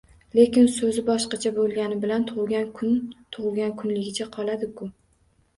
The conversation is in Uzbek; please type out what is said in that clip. Lekin soʻzi boshqacha boʻlgani bilan tugʻilgan kun tugʻilgan kunligicha qoladi-ku